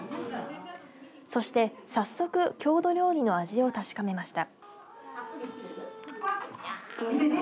そして早速郷土料理の味を確かめました。